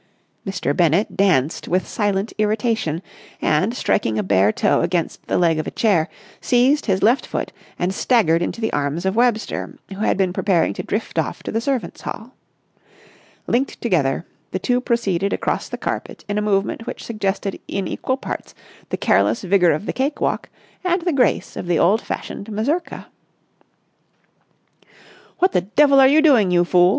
Mr. Bennett danced with silent irritation, and, striking a bare toe against the leg of a chair, seized his left foot and staggered into the arms of Webster, who had been preparing to drift off to the servants' hall. Linked together, the two proceeded across the carpet in a movement which suggested in equal parts the careless vigour of the cake walk and the grace of the old fashioned mazurka. "What the devil are you doing, you fool?"